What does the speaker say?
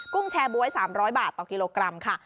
กุ้งแชร์บวยสามร้อยบาทต่อกิโลกรัมค่ะ